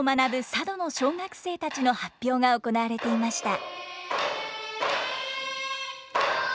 佐渡の小学生たちの発表が行われていました。